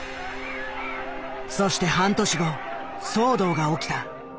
そして半年後騒動が起きた。